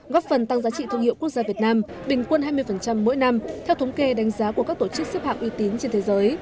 góp phần tăng giá trị thương hiệu quốc gia việt nam bình quân hai mươi mỗi năm theo thống kê đánh giá của các tổ chức xếp hạng uy tín trên thế giới